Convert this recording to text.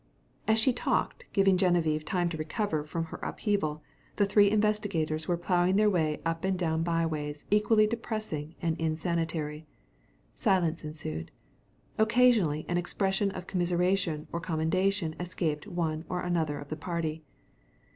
As she talked, giving Geneviève time to recover from her upheaval, the three investigators were plowing their way up and down byways equally depressing and insanitary. Silence ensued. Occasionally an expression of commiseration or condemnation escaped one or another of the party.